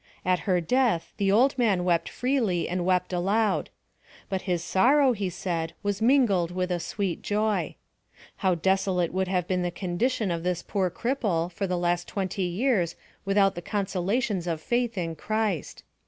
At her death the old man wept freely and wept aloud ; but his sorrow, he said, was mingled with a sweet joy. How desolate would have been the condition of this poor cripple for the last twenty years without the consolations of faith in Christ.